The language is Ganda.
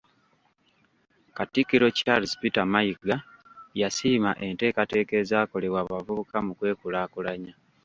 Katikkiro Charles Peter Mayiga yasiima enteekateeka az'akolebwa abavubuka mu kwekulaakulanya.